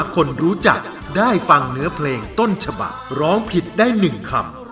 คนรู้จักได้ฟังเนื้อเพลงต้นฉบักร้องผิดได้๑คำ